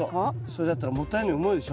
それだったらもったいないように思うでしょ？